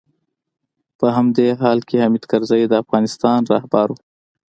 په همدې حال کې حامد کرزی د افغانستان رهبر و.